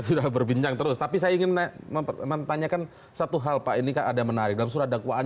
sudah berbincang terus tapi saya ingin mempertanyakan satu hal pak ini kan ada menarik dalam surat dakwaan